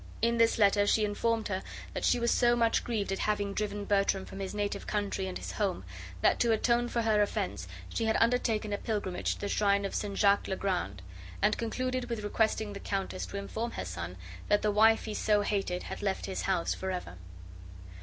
In this letter she informed her that she was so much grieved at having driven Bertram from his native country and his home, that to atone for her offense, she had undertaken a pilgrimage to the shrine of St. Jaques le Grand, and concluded with requesting the countess to inform her son that the wife he so hated had left his house forever.